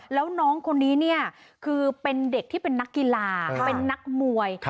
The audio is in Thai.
แล้วน้องคนนี้เนี่ยคือเป็นเด็กที่เป็นนักกีฬาเป็นนักมวย